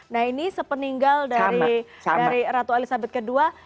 nah ini sepeninggal dari ratu elizabeth ii